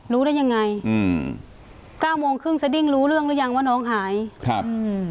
รู้ได้ยังไงอืมเก้าโมงครึ่งสดิ้งรู้เรื่องหรือยังว่าน้องหายครับอืม